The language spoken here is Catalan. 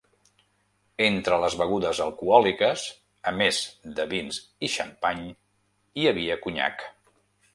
Entre les begudes alcohòliques a més de vins i xampany hi havia conyac.